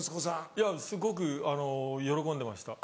いやすごく喜んでました。